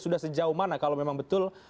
sudah sejauh mana kalau memang betul